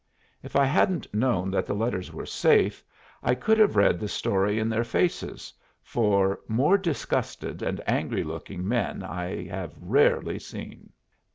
If I hadn't known that the letters were safe, I could have read the story in their faces, for more disgusted and angry looking men I have rarely seen.